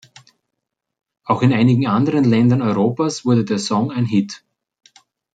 Auch in einigen anderen Ländern Europas wurde der Song ein Hit.